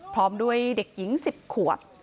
พร้อมด้วยเด็กหญิง๑๐ขวบ